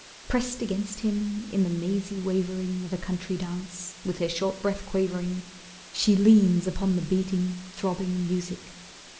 Pressed against him in the mazy wavering Of a country dance, with her short breath quavering She leans upon the beating, throbbing Music.